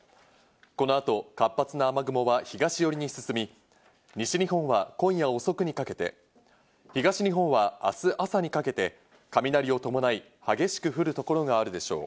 この後、活発な雨雲は東よりに進み、西日本は今夜遅くにかけて東日本は明日朝にかけて雷を伴い激しく降る所があるでしょう。